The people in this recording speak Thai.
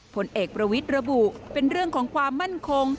ผลเอกประวิทย์ระบุเป็นเรื่องของความมั่นคง